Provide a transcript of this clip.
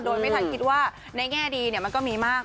โดยไม่ทันคิดว่าในแง่ดีมันก็มีมาก